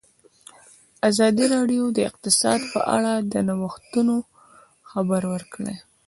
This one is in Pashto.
ازادي راډیو د اقتصاد په اړه د نوښتونو خبر ورکړی.